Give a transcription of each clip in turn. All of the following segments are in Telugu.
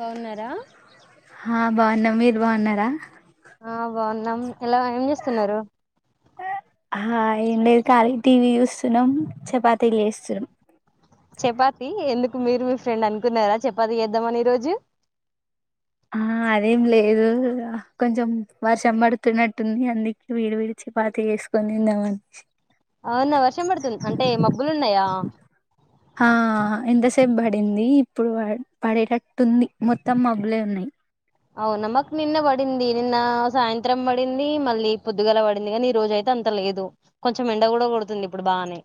బాగున్నారా హా బాగున్న మీర్ బాగున్నారా ఆ బాగున్నాం ఎలా ఏం చేస్తున్నారు ఆ ఏం లేదు ఖాలీ టీవీ చూస్తున్నాం చపాతీలు చేస్తున్నాం చపాతి ఎందుకు మీరు మీ ఫ్రెండ్ అనుకున్నారా చపాతి చేద్దామని ఈ రోజు ఆ అదేం లేదు కొంచెం వర్షం పడుతున్నట్టుంది అందుక వీడివిడిచ చపాతి చేేసుకొని తిందాంమని అవునా వర్షం పడుతుంది అంటే మబ్బులు ఉన్నాయా ఆ ఇంతసేపు పడింది ఇప్పుడు ప పడేటట్టుంది మొత్తం మబ్బులే ఉన్నయి అవునా మాకు నిన్న పడింది నిన్న సాయంత్రం పడింది మళ్ళీ పొద్దుగాల పడింది కా నీ రోజ అయితే అంత లేదు కొంచెం ఎండ కూడా కొడుతుంది ఇప్పుడు బాగానే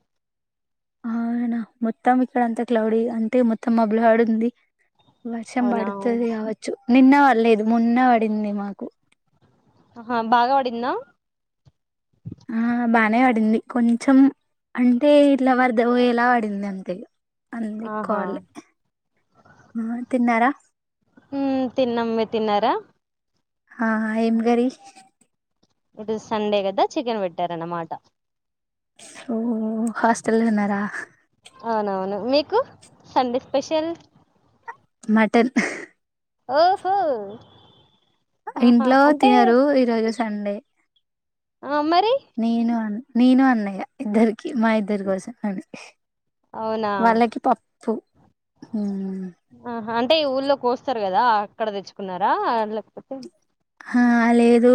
అనా మొత్తం ఇక్కడ అంతా క్లౌడి అంతే మొత్తం మబ్బులు పడి ఉంది వర్షం అవునా పడుతది కావచ్చు నిన్న పడలేదు మొన్న పడింది మాకు ఆ హా బాగా పడిందా ఆ బానే పడింది కొంచెం అంటే ఇట్లా వర్ధ పోయెలా పడింది అంతే అంత ఎక్కువపడలే హ తిన్నాం మీరు తిన్నరా ఆ ఏం గరి ఇటు సండే కదా చికెన్ పెట్టార అన్నమాట ఓ హాస్టెల్ ఉన్నారా అవునవును మీకు సండే స్పెషల్ మటన్ ఆఓహో ఇంట్లో తినరు ఈరోజు సండే ఆ మరి నేను అన్ నేను అన్నయ్య ఇద్దరికి మా ఇద్దరి కోసం అని అవునా వాళ్ళకి పప్పు ఆహా అంటే ఊళ్లే కోస్తరు కదా అక్కడ తెచ్చుకున్నారా లేకపోతే ఆ లేదు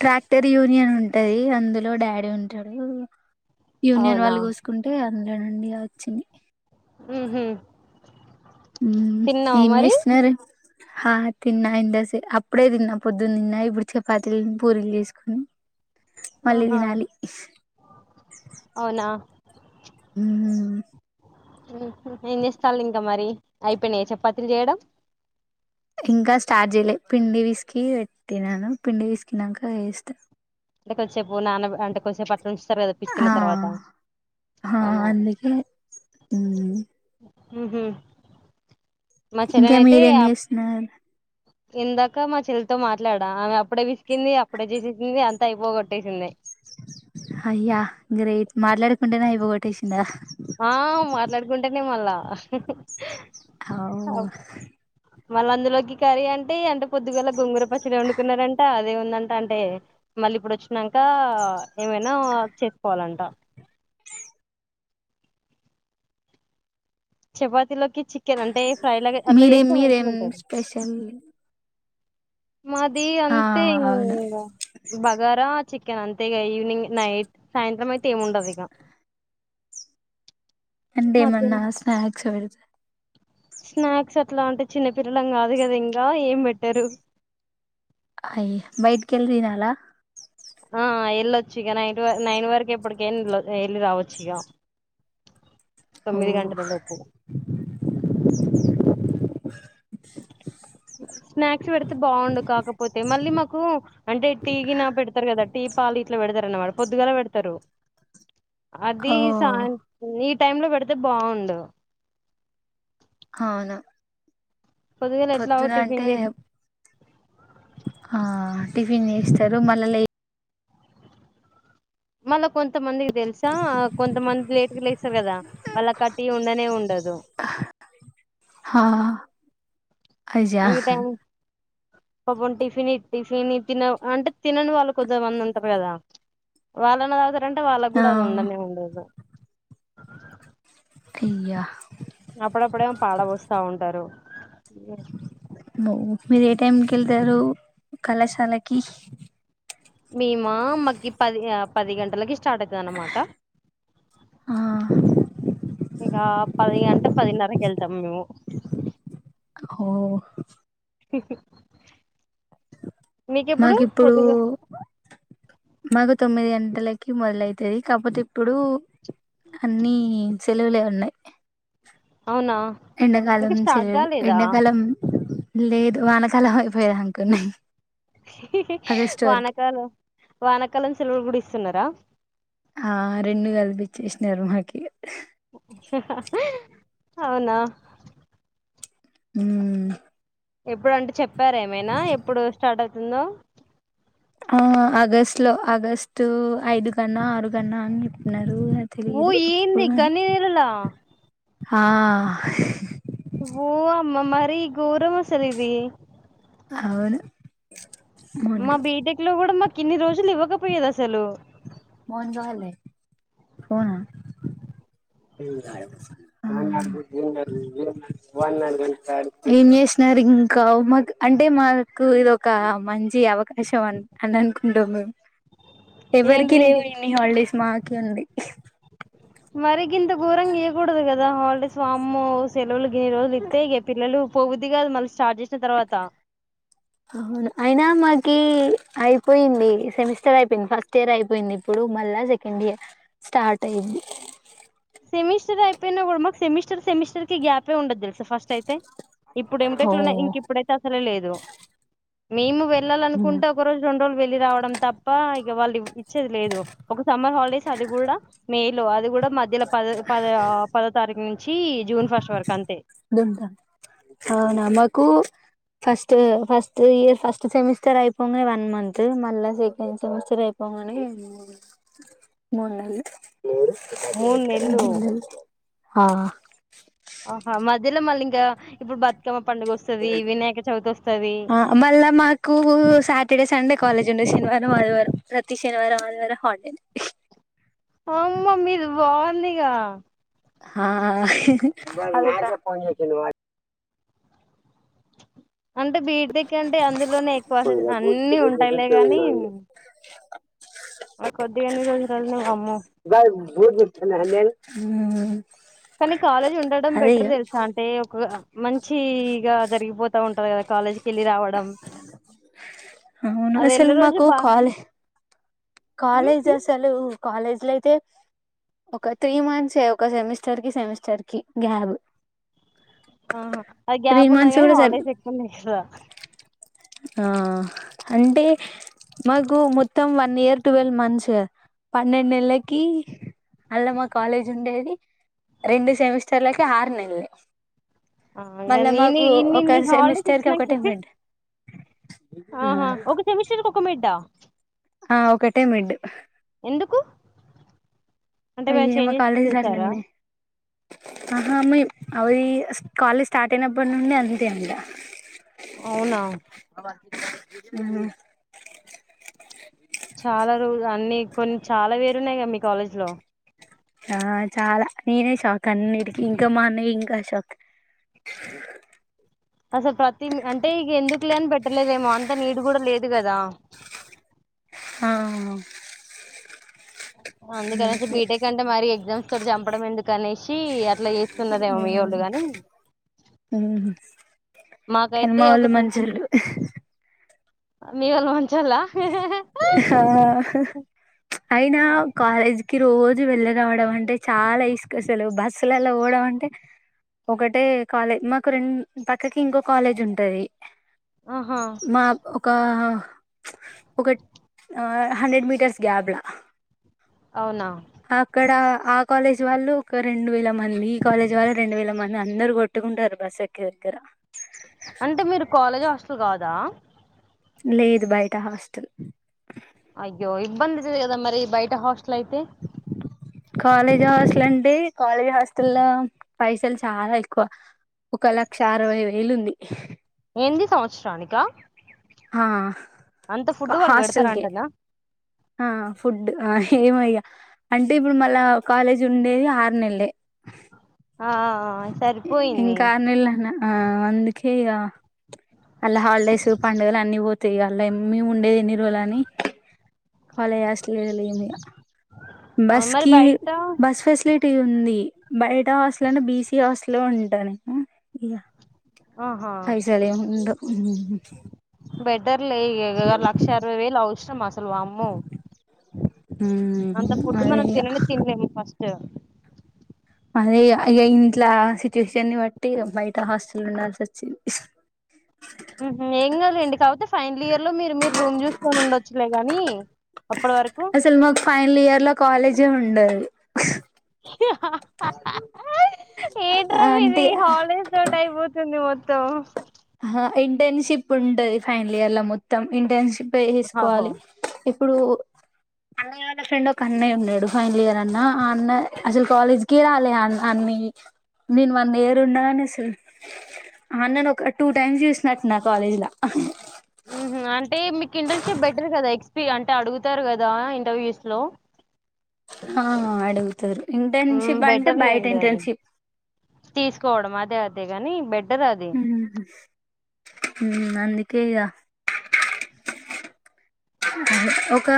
ట్రాక్టర్ యూనియన్ ఉంటది అందులో డాడీ ఉంటడు యూనియన్ అవునా వాళ్ళు కోసుకుంటే అందులో నుండి వచ్చింది ఉ హు ఉ ఏం చేస్తున్నారు ఆ తిన్నాయింద సే అప్పుడే తిన్న పొద్దు తిన్నా ఇప్పుడు చపాతీలని పూరీలు చేసుకుని మళ్ళీ ఆహా తినాలి హు అవునా హమ్ అ ఏం చేస్తళ్లు ఇంకా మరి అయిపోయినా చపాతీలు చేయడం ఇంకా స్టార్ట్ చేయలే పిండి పుసికి పెట్టినాను పిండి పిసికినంక చేస్తా అంటే కొద్దిసేపు నాన్న అంటే కొద్దిసేపు అట్లా ఉంచుతారు కదా పిసికిన తర్వాత హ అవునా అందుకే ఉం హు హమ్ మా ఇంకా చెల్లెని అయితే మీరేం ఆ చేస్తున్నారు ఇందాక మా చెల్లితో మాట్లాడా ఆమె అప్పుడే పిసికింది అప్పుడే చేసేసింది అంత అయిపోగొట్టేసింది అయ్యా గ్రేట్ మాట్లాడుకుంటేనా అయిపో గొట్టేసిందా ఆ మాట్లాడుకుంటేనే మళ్ళా అవు మళ్ల అందులోకి కర్రీ అంటే అంత పొద్దుగాల గొంగుర పచ్చడి వండుకున్నారంట అదేముందంట అంటే మళ్ళీ ఇప్పుడు వచ్చినంక ఏమైనా చేసుకోవాలంట చపాతిలోకి చికెన్ అంటే ఫ్రై లాగా అట్లా మీరేం చేస్తే మంచిగా మీరేం ఉంటది స్పెషల్ మాది ఆ అంతే అవును ఇంగ బగారా చికెన్ అంతే ఇగ ఈవినింగ్ నైట్ సాయంత్రం అయితే ఏముండదు ఇగ అంటేమన్నా స్నాక్స్ పెడు స్నాక్స్ అట్లా అంటే చిన్న పిల్లలం కాదు కదా ఇంగ ఏం పెట్టరు అయ్యి బయట్కి వెళ్లి తినాల ఆ వెళ్ళొచ్చు ఇగ నైట్ వ నైన్ వరకు ఎప్పటికి అయిన వెళ్ళి రావచ్చు ఇగ ఓ తొమ్మిది గంటలలోపు స్నాక్స్ పెడితే బాగుండు కాకపోతే మళ్ళీ మాకు అంటే టీ గిన పెడతారు కదా టీ పాలు ఇట్లా పె పెడతారు అన్నమాట పొద్దుగాల పెడతారు అది ఓ సాయ ఈ టైమ్ లో పెడితే బాఉండు అవునా పొద్దుగాల ఎట్లాగో పొద్దున అంటే టిఫిన్ చేసి ఆ టిఫిన్ చేస్తారు మళ్ళ లే మళ్ళా కొంతమందికి తెలుసా కొంతమంది లేట్ గ లేస్తారు కదా వాళ్ళకి ఆ టీ ఉండనే ఉండదు హా అజా ఈ టైం పాపం టిఫిన్ టిఫిన్ తిన అంటే తినని వాళ్ళు కొద్ది మంది ఉంటారు కదా వాళ్ళన్న తాగుతారంటే వాళ్ళకి ఆ కూడా అది ఉండనే ఉండదు అయ్యా అప్పుడప్పుడేమో పాడ పోస్తా ఉంటారు మో మీరు ఏ టైంకి వెళ్తారు కళాశాలకి మేమా మాకి పది పది గంటలకి ఇ స్టార్ట్ అయిత అన్నమాట ఆ ఇక పది గంట పదినరకు వెళ్తాం మేము ఓ మీకెప్పుడు మాకు ఇప్పుడు పొద్దుగా మాకు తొమ్మిది గంటలకి మొదలైతది కాపోతే ఇప్పుడు అన్ని సెలవులే ఉన్నాయి అవునా ఎండకాలం ఇంకా నుంచి స్టార్ట్ సెలవలు కాలేదా ఎండకాలం లేదు వానకాల పడిపోయా అనుకున్నా వానకాలం వానకాలం సెలవులు కూడా ఇస్తున్నారా ఆ రెండు కల్పి ఇచ్చేస్తరు మాకీ అవునా హుమ్ ఎప్పుడు అంటే చెప్పార ఏమైనా ఎప్పుడు స్టార్ట్ అవుతుందో ఆ ఆగస్ట్ లో ఆగస్టు ఐదు కన్నా ఆరుగన్నా అని చెప్నారు అవునా ఓ తెలిదు అప్పుడ ఏంది అని గన్ని నెలలా ఆ ఊ అమ్మ మరి గోర మసలిది అవును మా మోన్గా బీటెక్ లో కూడా మాకు ఇన్ని రోజులు ఇవ్వకపోయేది అసలు వాన్ రాలే కోనా ఏం చేసినారు ఇంకా మాక్ అంటే మాకు ఇదొక మంచి అవకాశం అన్ అని అనుకుంటాం మేము ఎవరికి ఏంటిది లేవు ఇంటికి ఇన్ని హాలిడేస్ మాకి ఉంది మరి గింత ఘూరంగా ఇయ్యగూడదు కదా హాలిడేస్ వామ్మో సెలవులు గెలవులు ఇత్తే పిల్లలు పోబు దిగాల్ మల్ స్టార్ట్ చేస్ అవును అయినా మాది హుమ్ అయిపోయింది సెమిస్టర్ అయిపోయింది ఫస్ట్ ఇయర్ అయిపోయింది ఇప్పుడు మళ్ళా సెకండ్ ఇయర్ స్టార్ట్ అయ్యింది సెమిస్టర్ అయిపోయిన కూడా మాకు సెమిస్టర్ సెమిస్టకీ గ్యాపే ఉండదు తెలుసా ఫస్ట్ అయితే ఇప్పుడు ఓ ఎంటెక్ లోనా ఇప్పుడయితే అసలే లేదు వెళ్ళలనుకుంటే ఒక రోజు రెండు రోజులు వెళ్లి రావడం తప్ప ఇక వాళ్ళు ఇచ్చేది లేదు ఒక సమ్మర్ హాలిడేస్ అది కూడా మే లో అది కూడా మధ్యలో పదా పదో తారీఖు నుంచి జూన్ ఫస్ట్ వరకు అంతే దుంత అవునా మాకు first first year first semester అయిపోంగానే వన్ మంత్ మళ్ళా సెకండ్ సెమిస్టర్ అయిపో కాని మూడు నెల్లు మూడు నెల్లు ఆ ఆహా మధ్యలో మళ్ళీ ఇంకా ఇప్పుడు బతుకమ్మ పండుగ వస్తది వినాయక చవితి వస్తది మళ్ళా మాకు సాటర్డే సండే కాలేజ్ రెండో శనివారం ఆదివారం ప్రతి శనివారం ఆదివారం హాలిడే ఉందిగా ఆ అంటే బీటెక్ అంటే అందులోనే ఎక్కువ అసల్ అన్ని ఉంటాయిలేగానీ రోజులనే వామ్మో బస్ భర్తునే హ కానీ కాలేజ్ ఉండడం బెటర్ తెలుసా అంటే ఒక మంచిగా జరిగిపోతు ఉంటది కదా కాలేజ్కి వెళ్ళి రావడం అవును అది అసలు వెళ్ళే రోజు మాకు బా కాలే ఉమ్, కాలేజ్ ఉమ్, అసలు కాలేజ్ లో అయితే ఒక త్రీ మంత్స్ ఏ ఒక సెమిస్టర్ కి సెమిస్టర్ కి గ్యాపు ఆహా అది గ్యాప్ ఉన్నది గానీ సరి హాలిడేస్ [unintelligible] ఆ అంటే మాకు మొత్తం వన్ ఇయర్ ట్వెల్వ్ మంత్స్ పన్నెండు నెల్లకి అళ్లా మా కాలేజ్ ఉండేది రెండు సెమిస్టర్లకి ఆరు నెలలు ఆ, ఇంకా మళ్ళా నేను మాకు ఇన్ని ఒక ఇన్ని హాలిడేస్ సెమిస్టర్ కి ఒకటే ఇచ్చినాకే మిడ్ ఆహా ఒక సెమిస్టర్ కు ఒక మిడ్డా ఆ ఒకటే మిడ్ ఎందుకు అంటే మీరు అయ్య మా చేంజెస్ కాలేజీల చేశారా అట్లుంది ఆహా మీ అవి కాలేజ్ స్టార్ట్ అయినప్పటి నుండి అంతే అంట అవునా హు ఉన్నాయి కద మీ కాలేజ్ లో ఆ చాలా నేనే షాక్ అన్నిటికిీ ఇంకా మా అన్నయ్య ఇంకా షాక్ ఆ అసలు ప్రతి అంటే ఇక ఎందుకు లేని పెట్టలేదేమో అంత నీడ్ కూడా లేదు కదా ఆహా అందుకని బీటెక్ అంటే మరి ఎగ్జామ్స్ తోటి చంపడం ఎందుకని పెట్టి అట్లా చేస్తున్నరేమో మీ వాళ్ళు గాని కానీ మాకైతే మా వాళ్ళు మంచోళ్ళు మీవల్ మంచోళ్ళ హే హై ఆ అయినా కాలేజ్ కి రోజు వెళ్ళ రావడం అంటే చాలా విసుకసలు బస్సులలో పోడం అంటే ఒకటే కాలేజ్ మాకు రెండు పక్కకి ఇంకో కాలేజ్ ఉంటది ఆహా మాకు ఒక ఒకట్ హండ్రెడ్ మీటర్స్ గ్యాబ్లా అవునా అక్కడ ఆ కాలేజీ వాళ్ళు ఒక రెండు వేల మంది ఈ కాలేజ్ వాళ్ళు రెండు వేల మంది అందరు కొట్టు కుంటరు బస్సు దగ్గర అంటే మీరు కాలేజ్ హాస్టల్ కాదా లేదు బయట హాస్టల్ అయ్యో ఇబ్బంది అయితది కదా మరి బయట హాస్టల్ అయితే కాలేజ్ హాస్టల్ అంటే కాలేజ్ హాస్టల్ లో పైసలు చాలా ఎక్కువ ఒక లక్ష అరవై వేలుంది ఏంది సంవత్సరానిక ఆ అంతా ఫుడ్ వాల్ పెడతార హాస్టల్కే అంటనా ఆ ఫుడ్ ఆ ఏమో ఇగ అంటే ఇప్పుడు మళ్ళా కాలేజ్ ఉండేది ఆరు నెల్లే ఆ సరిపోయింది ఇంకా అర్నీళ్ళే లనే ఆ అందుకే ఇగ అళ్లా హాలిడేస్ పండుగలు అన్ని పోతాయి అళ్ళ మేము ఉండేది ఎన్ని రోజులు అని కాలేజీ హాస్టల్ లేము ఇగ ఆ, మరి బస్కి బయట బస్ ఫెసిలిటీ ఒకటి ఉంది బయట హాస్టల్ అనే బిసీ హాస్టల్ లో ఉంటాను ఇగ ఆహా పైసలేం ఉండవ్ ఉమ్ బెటర్లే ఇగ లక్ష అరవై వేలు ఔసరమా వామ్మో అంత ఫుడ్డు అదే మనం ఇగ తిననే తినలేము అ అదే అ ఇంట్ల సిచ్యుయేషన్ ని బట్టి బయట హాస్టల్ ఉండాల్సి వచ్చింది ఉహు ఏం కాదులెండి కాకతే ఫైనల్ ఇయర్ లో మీరు మీరు రూమ్ చూసుకొని ఉండొచ్చులే గానీ అప్పటి వరకు అసలు మాకు ఫైనల్ ఇయర్ లో కాలేజే ఉండదు ఊహ్హ్ హా [unintelligible] ఏంట్రా అంటే మీది హాలిడేస్ తోటి అయిపోతుంది మొత్తం ఇంటర్న్షిప్ ఉంటది ఫైనల్ ఇయర్ లో మొత్తం ఇంటర్న్షిప్ యే ఆహో చేసుకోవాలి ఇప్పుడు అన్నయ్యళ ఫ్రెండ్ ఒక అన్నయ్య ఉన్నాడు ఫైనల్ ఇయర్ అన్న ఆ అన్న అసలు కాలేజ్ కి రాలే అన్న నేను వన్ ఇయర్ ఉన్నా గానీ అసలు ఆ అన్నను ఒక టూ టైమ్స్ చూసినట్టు ఉన్న కాలేజీలో హు హమ్ అంటే మీకు ఇంటర్న్షిప్ పెట్టిర్రు కదా ఎక్స్పీ అంటే అడుగుతారు కదా ఇంటర్వ్యూస్ లో ఆ అడుగుతారు ఉమ్ ఇంటర్న్షిప్ అంటే బయట బెటర్లేండి అది ఇంటర్న్షిప్ అంతేగాని బే హు హమ్ ఉం అందుకే ఇగ ఒక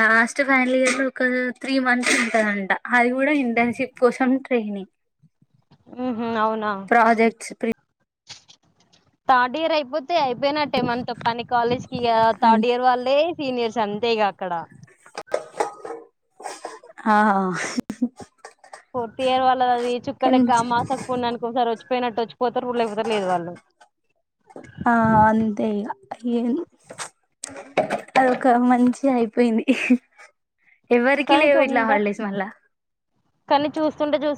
లాస్ట్ ఫైనల్ ఇయర్ లో ఒక త్రీ మంత్స్ ఉంటదంట అది కూడా ఇంటర్న్షిప్ కోసం ట్రైనింగ్ ని ఉం ప్రాజెక్ట్స్ ప్రీ థర్డ్ ఇయర్ అయిపోతే తే అయిపోయినట్టే మన తో పని కాలేజ్ కి ఇగ థర్డ్ ఇయర్ వాళ్లే సీనియర్స్ అంతే ఇగ అక్కడ ఆ పోర్త్ ఇయర్ వాళ్లది అది చుక్కలు కానీ లెక్క ఆమాసకు పున్ననికి ఓ సారి వచ్చి పో పోయినట్టు వచ్చిపోతారు లేకపోతె లేదు వాళ్ళు ఆ అంతే ఇగ ఎం అదొక మంచిగా అయిపోయింది ఎవరికి కానీ లేవు ఇట్లా తొందర హాలిడేస్ మళ్ళా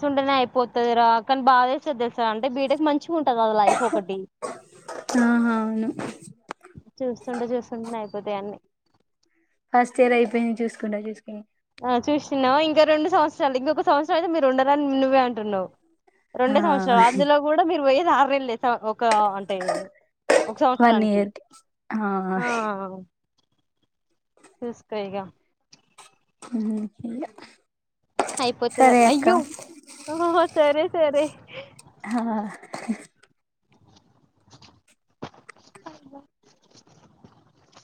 ఉంటేనే అయిపోతది రా కానీ బాద ఎస్తది తెలుసా అంటే బీటెక్ మంచి మంచిగా ఉంటది అది లైఫ్ ఒకటి ఆహా అవును చూస్తుంటే చూస్తుంటే అయిపోతాయి అన్ని ఫస్ట్ ఇయర్ అయిపోయింది చూసుకుంటాచూసుకుంటా ఆ చూస్తున్నావు ఇంకా రెండు సంవత్సరాలు ఇంకొ సంవత్సరం అయితే మీరు ఉండరని నువ్వే అంటున్నావు ఆ రెండే సంవత్సరాలు అందులో కూడా మీరు పోయేది ఆరు నెల్లే ఒక అంటే ఒక వన్ సంవత్సరానికి ఇయర్ కి ఆ చుసుకో ఇగ ఉహు [unintelligible] అయిపోతదా అయ్యో హ సరే సరే [inaudible] అ [inaudible]